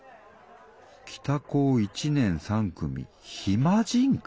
「北高１年３組ヒマ人会」？